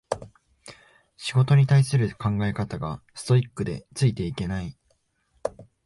仕事に対する考え方がストイックでついていけない